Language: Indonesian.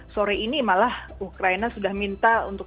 sore ini malah ukraina sudah minta untuk